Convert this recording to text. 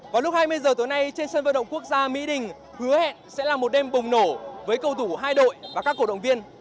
vào lúc hai mươi h tối nay trên sân vận động quốc gia mỹ đình hứa hẹn sẽ là một đêm bùng nổ với cầu thủ hai đội và các cổ động viên